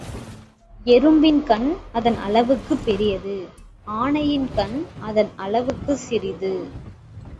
எறும்பின் கண் அதன் அளவுக்குப் பெரிது ஆனையின் கண் அதன் அளவுக்குச் சிறிது.